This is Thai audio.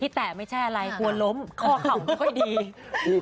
แตะไม่ใช่อะไรกลัวล้มข้อเข่าไม่ค่อยดี